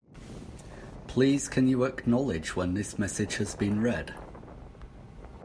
Please can you acknowledge when this message has been read?